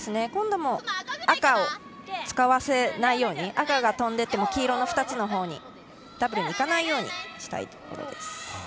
今度も赤を使わせないように赤が飛んでいっても黄色の２つのほうにダブルに行かないようにしたいところです。